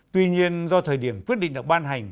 tuy nhiên do thời điểm quyết định được ban hành